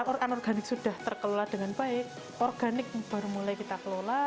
organ organik sudah terkelola dengan baik organik baru mulai kita kelola